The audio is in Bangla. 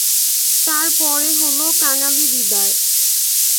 তার পরে হল কাঙালিবিদায়।